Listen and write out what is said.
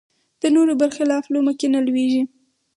د نورو بر خلاف لومه کې نه لویېږي